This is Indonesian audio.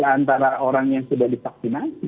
antara orang yang sudah divaksinasi